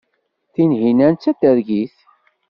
Tinhinan d tatergit.